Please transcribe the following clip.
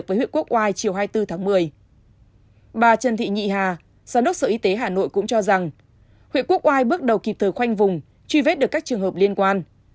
các sở y tế hà nội cũng cho rằng huyện quốc oai bước đầu kịp thời khoanh vùng truy vết được các trường hợp liên quan